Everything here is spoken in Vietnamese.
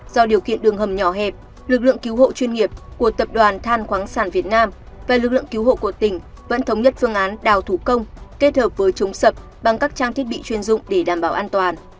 do điều kiện đường hầm nhỏ hẹp lực lượng cứu hộ chuyên nghiệp của tập đoàn than khoáng sản việt nam và lực lượng cứu hộ của tỉnh vẫn thống nhất phương án đào thủ công kết hợp với chống sập bằng các trang thiết bị chuyên dụng để đảm bảo an toàn